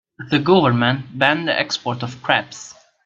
The government banned the export of crabs.